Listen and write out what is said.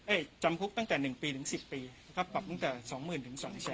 เอ่ยจำคุกตั้งแต่หนึ่งปีถึงสิบปีครับปรับตั้งแต่สองหมื่นถึงสองแสน